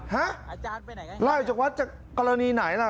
อาจารย์ไปไหนไล่จากวัดจากกรณีไหนล่ะ